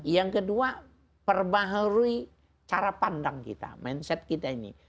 yang kedua perbaharui cara pandang kita mindset kita ini